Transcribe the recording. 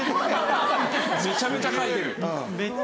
めちゃめちゃ描いてる。